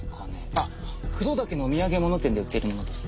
あっ黒岳の土産物店で売っているものです。